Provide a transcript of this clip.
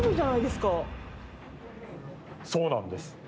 そうなんです。